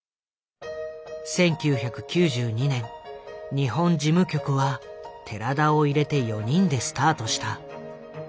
１９９２年日本事務局は寺田を入れて４人でスタートした。